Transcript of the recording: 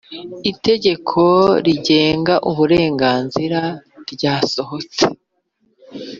itegekorigenga uburenganzira ryasohotse